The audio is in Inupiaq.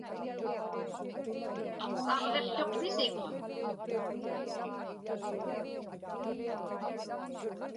Aġviqtuqpisik?